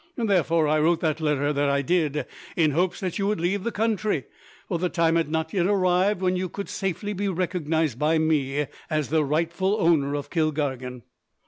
Therefore, I wrote the letter that I did in hopes that you would leave the country, for the time had not yet arrived when you could safely be recognized by me as the rightful owner of Kilkargan.